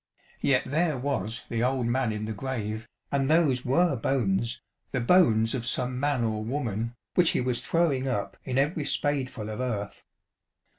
Yet there was the old man in the grave, and those were bones, the bones of some man or woman, which he was throwing up in every spadeful of earth.